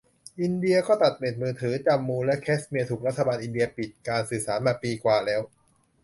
อินเดียก็ตัดเน็ตมือถือ จัมมูและแคชเมียร์ถูกรัฐบาลอินเดียปิดการสื่อสารมาปีกว่าแล้ว